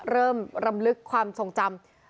เริ่มรำลึกความทรงจำ